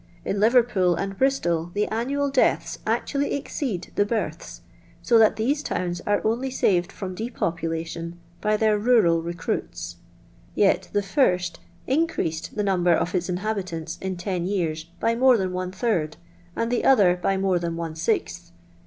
In Lirerpool and Bristol tho annual deaths actually exceed the births, 80 that these towns are only saved from depopulation by their rural recruits, yet the first increased the number of its inhabitanU in ten years by more than one third, and the other by more than one sixth.